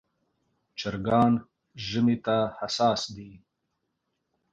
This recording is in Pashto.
چرګان ژمي ته حساس دي.